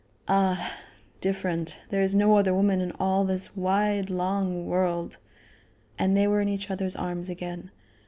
"Ah, different! There is no other woman in all this wide, long world," and they were in each other's arms again.